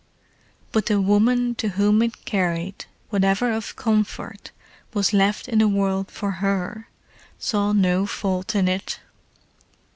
But the woman to whom it carried whatever of comfort was left in the world for her saw no fault in it.